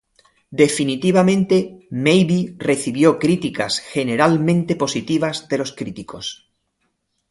Definitely, Maybe recibió críticas generalmente positivas de los críticos.